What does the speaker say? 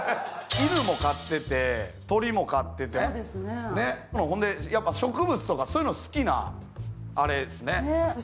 犬も飼ってて鳥も飼っててほんで植物とかそういうの好きなあれですね。